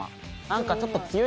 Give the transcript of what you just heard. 何かちょっと。